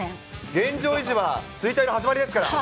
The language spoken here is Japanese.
現状維持は衰退の始まりですから。